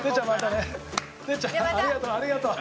哲ちゃんありがとうありがとう。